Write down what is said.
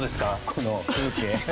この風景。